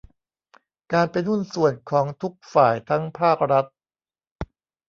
การเป็นหุ้นส่วนของทุกฝ่ายทั้งภาครัฐ